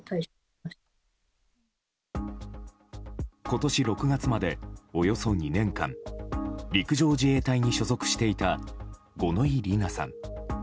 今年６月まで、およそ２年間陸上自衛隊に所属していた五ノ井里奈さん。